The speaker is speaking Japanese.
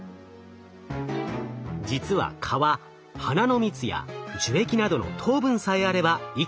実は蚊は花の蜜や樹液などの糖分さえあれば生きていけるといいます。